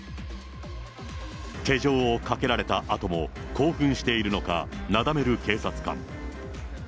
手錠をかけられたあとも、興奮しているのか、なだめる警察官。